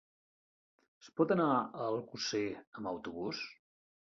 Es pot anar a Alcosser amb autobús?